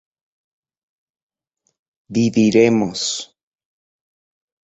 viviremos